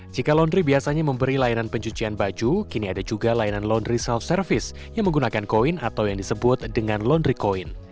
jika laundry biasanya memberi layanan pencucian baju kini ada juga layanan laundry self service yang menggunakan koin atau yang disebut dengan laundry coin